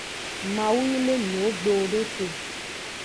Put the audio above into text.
Mawu yi le miwogbewo do te.